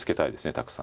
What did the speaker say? たくさん。